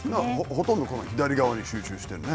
ほとんどこの左側に集中してるね。